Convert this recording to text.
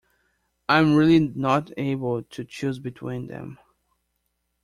I'm really not able to choose between them.